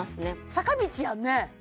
坂道やんね